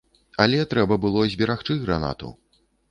Але трэба было зберагчы гранату.